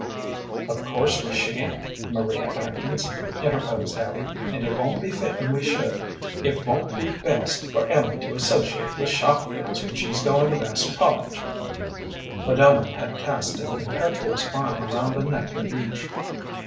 "Of course we sha'n't, Maria Atkins," interposed Abby, "and it won't be fitting we should. It won't be best for Ellen to associate with shop girls when she's going to Vassar College." But Ellen had cast an impetuous arm around a neck of each.